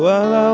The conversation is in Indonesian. walau tanpa kata